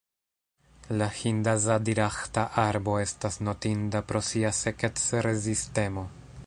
La hind-azadiraĥta arbo estas notinda pro sia sekec-rezistemo.